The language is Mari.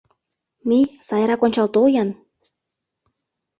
Мий, сайрак ончал тол-ян!